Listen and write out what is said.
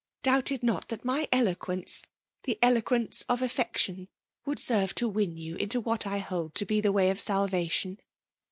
— doubted not ftat my eloquence, the eloquence of affiMrtioti, would serve to win you into what I hold to be the way of salvation.